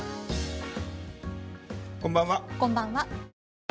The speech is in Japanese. こんばんは。